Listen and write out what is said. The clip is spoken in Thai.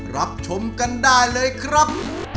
รับชมกันได้เลยครับ